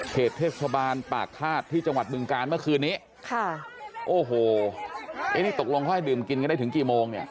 เหตุเทศบาลปากฆาตที่จังหวัดบึงการเมื่อคืนนี้ค่ะโอ้โหนี่ตกลงเขาให้ดื่มกินกันได้ถึงกี่โมงเนี่ย